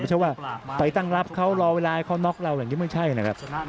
ไม่ใช่ว่าไปตั้งรับเขารอเวลาให้เขาน็อกเราอย่างนี้ไม่ใช่นะครับ